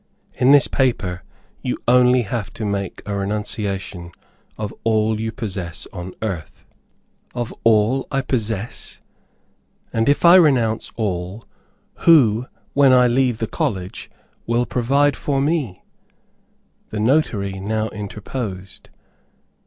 In this paper you have only to make a renunciation of all you possess on earth." "Of all I possess! And if I renounce all, who, when I leave the college, will provide for me?" The notary now interposed.